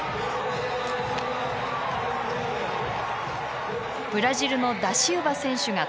ブラジルのダシウバ選手がトップ。